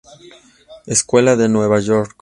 Escuela de Nueva York